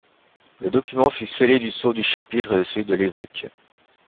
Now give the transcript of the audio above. Le document fut scellé du sceau du chapitre et de celui de l'évêque.